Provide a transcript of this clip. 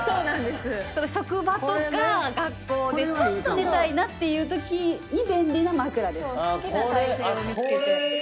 職場とか学校でちょっと寝たいなっていうときに便利な枕です。